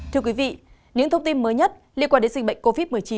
thưa quý vị những thông tin mới nhất liên quan đến dịch bệnh covid một mươi chín